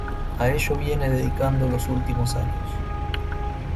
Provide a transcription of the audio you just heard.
A ello viene dedicando los últimos años.